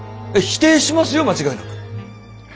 否定しますよ間違いなく。